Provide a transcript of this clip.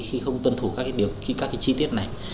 khi không tuân thủ các cái chi tiết này